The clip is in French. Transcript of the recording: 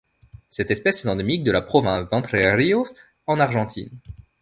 Cette espèce est endémique de la province d'Entre Ríos en Argentine.